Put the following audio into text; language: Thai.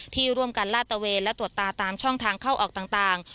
ที่ร่วมกันลาดตะเวนและตรวจตาตามช่องทางเข้าออกต่าง